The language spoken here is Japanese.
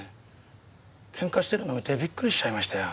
ケンカしてるのを見てビックリしちゃいましたよ。